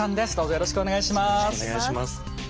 よろしくお願いします。